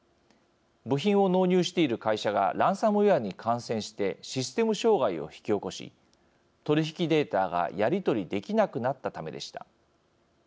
部品を納入している会社がランサムウェアに感染してシステム障害を引き起こし取り引きデータがやり取りできなくなったためでした。